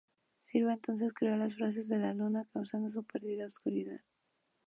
Sivá entonces creó las fases de la Luna, causando su periódica oscuridad.